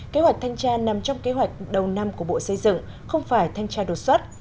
kế hoạch thanh tra nằm trong kế hoạch đầu năm của bộ xây dựng không phải thanh tra đột xuất